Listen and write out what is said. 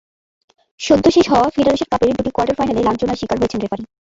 সদ্য শেষ হওয়া ফেডারেশন কাপের দুটি কোয়ার্টার ফাইনালে লাঞ্ছনার শিকার হয়েছেন রেফারি।